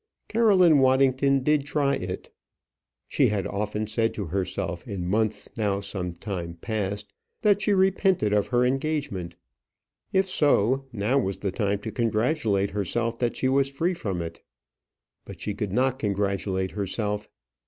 Caroline Waddington did try it. She had often said to herself, in months now some time past, that she repented of her engagement. If so, now was the time to congratulate herself that she was free from it. But she could not congratulate herself.